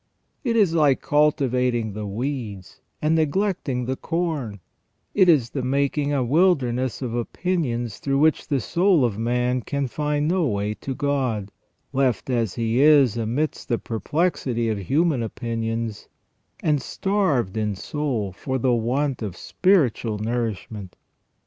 It is like cultivating the weeds and neglecting the corn ; it is the making a wilderness of opinions through which the soul of man can find no way to God, left as he is amidst the perplexity of human opinions, and starved in soul for the want of spiritual nourishment.